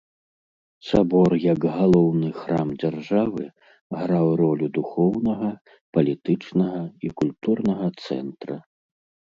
Сабор як галоўны храм дзяржавы граў ролю духоўнага, палітычнага і культурнага цэнтра.